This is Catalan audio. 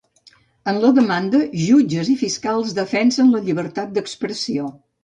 En la demanda jutges i fiscals defensen la llibertat d'expressió